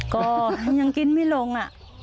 ก็ยังกินไม่ลง